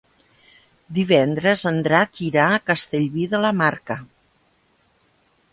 Divendres en Drac irà a Castellví de la Marca.